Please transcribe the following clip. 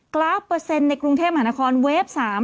ราฟเปอร์เซ็นต์ในกรุงเทพมหานครเวฟ๓